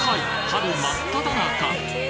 春真っただ中！